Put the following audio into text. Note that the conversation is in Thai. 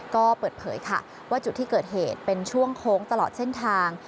ก็เปิดเผยค่ะว่าจุดที่เกิดเหตุเป็นช่วงโค้งตลอดเส้นทาง